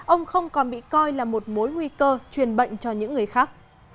ông không còn bị coi là một mối nguy cơ truyền bệnh cho những người khác